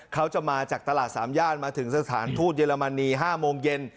เขาจะมาจากตลาดสามย่านมาถึงสถานทูตเยอรมนี๕โมงเย็น